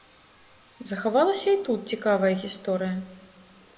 Захавалася і тут цікавая гісторыя.